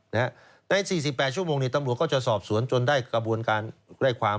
ใน๔๘ชั่วโมงนี้ตำรวจก็จะสอบสวนจนได้กระบวนการไล่ความ